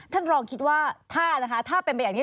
ท่านรองคิดว่าถ้าเป็นแบบนี้